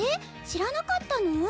知らなかったの？